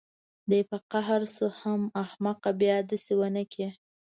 دى په قهر شو حم احمقه بيا دسې ونکې.